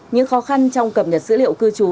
những khó khăn trong cập nhật dữ liệu cư trú